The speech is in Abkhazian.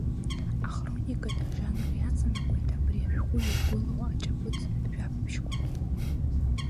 Ахроникат ажанр иаҵанакуеит абри ашәҟәы иагәылоу аҿаԥыцтә жәабжьқәагьы.